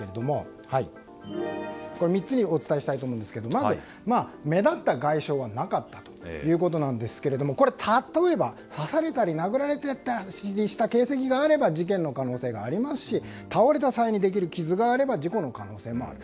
３つでお伝えしたいと思いますがまず目立った外傷はなかったということですけれども例えば刺されたり殴られたりした形跡があれば事件の可能性がありますし倒れた際にできる傷があれば事故の可能性もある。